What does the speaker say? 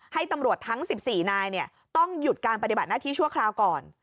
ให้ตำรวจทั้ง๑๔นายต้องหยุดการปฏิบัติหน้าที่ชั่วคราวก่อน